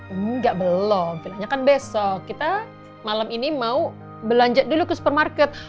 enggak belum pilihannya kan besok kita malam ini mau belanja dulu ke supermarket